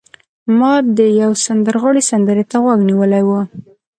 ما د یو سندرغاړي سندرې ته غوږ نیولی و